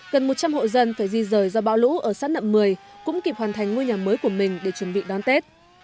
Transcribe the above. gần một trăm linh hộ dân phải di rời do bão lũ ở sát nậm mười cũng kịp hoàn thành ngôi nhà mới của mình để chuẩn bị đón tết